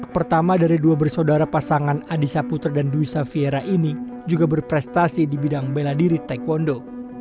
pertama dari dua bersaudara pasangan adisa putra dan duisa fiera ini juga berprestasi di bidang bela diri taekwondo